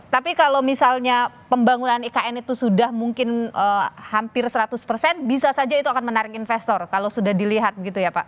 tapi kalau misalnya pembangunan ikn itu sudah mungkin hampir seratus persen bisa saja itu akan menarik investor kalau sudah dilihat begitu ya pak